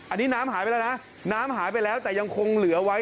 อันนี้น้ำหายไปแล้วนะน้ำหายไปแล้วแต่ยังคงเหลือไว้